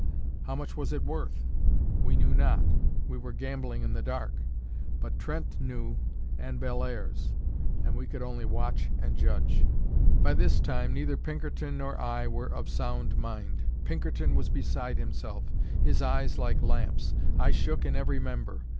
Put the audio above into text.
How much was it worth? We knew not, we were gambling in the dark; but Trent knew, and Bellairs; and we could only watch and judge. By this time neither Pinkerton nor I were of sound mind. Pinkerton was beside himself, his eyes like lamps. I shook in every member.